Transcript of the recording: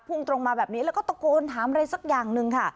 ่งตรงมาแบบนี้แล้วก็ตะโกนถามอะไรสักอย่างหนึ่งค่ะ